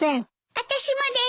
あたしもです。